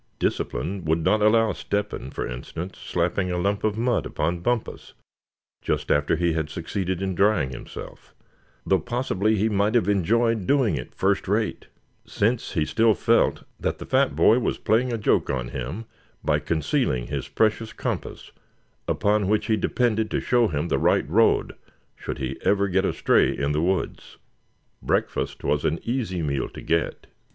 Discipline would not allow Step hen, for instance, slapping a lump of mud upon Bumpus just after he had succeeded in drying himself; though possibly he might have enjoyed doing it first rate; since he still felt that the fat boy was playing a joke on him by concealing his precious compass upon which he depended to show him the right road, should he ever get astray in the woods. Breakfast was an easy meal to get.